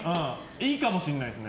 いいかもしれないですね。